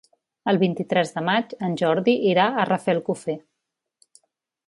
El vint-i-tres de maig en Jordi irà a Rafelcofer.